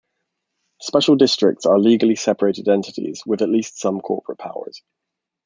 Special districts are legally separate entities with at least some corporate powers.